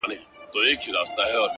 چي بیا به څه ډول حالت وي. د ملنگ.